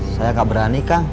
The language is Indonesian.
saya gak berani kang